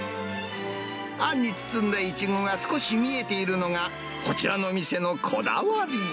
あんに包んだイチゴが少し見えているのが、こちらの店のこだわり。